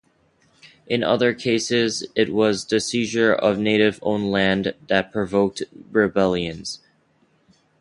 In other cases, it was the seizure of native-owned land that provoked rebellions.